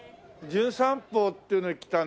『じゅん散歩』っていうので来たね